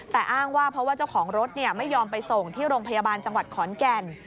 แต่อ้างว่าเพราะว่าเจ้าของรถไม่ยอมไปส่งที่โรงพยาบาลจังหวัดขอนแก่น